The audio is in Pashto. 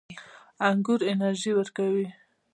انګور انرژي ورکوي